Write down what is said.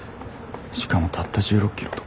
しかもたった１６ｋｍとか。